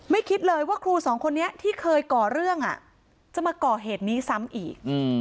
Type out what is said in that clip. คิดเลยว่าครูสองคนนี้ที่เคยก่อเรื่องจะมาก่อเหตุนี้ซ้ำอีก